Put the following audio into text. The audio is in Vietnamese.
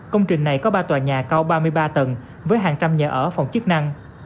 công trình này có ba tòa nhà cao ba mươi ba tầng với hàng trăm nhà ở phòng chức năng